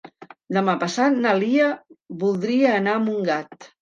Demà passat na Lia voldria anar a Montgat.